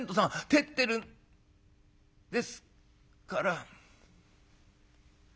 照ってるんですから」。